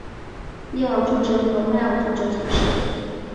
耶尔朱哲和迈尔朱哲出世。